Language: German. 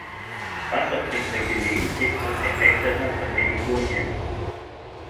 Wasser trinkt er gelegentlich aus den Deckblättern von Helikonien.